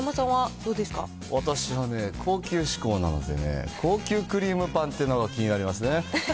私はね、高級志向なのでね、高級クリームパンってのが気になりますね。